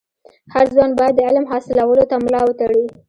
هر ځوان باید د علم حاصلولو ته ملا و تړي.